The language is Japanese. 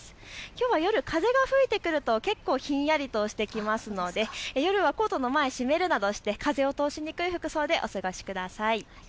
きょうは夜、風が吹いてくると結構ひんやりとしてきますので、夜はコートの前、しめるなどして風を通しにくい格好でお過ごしください。